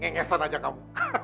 mengesan saja kamu